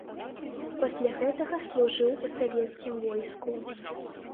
Пасля гэтага служыў у савецкім войску.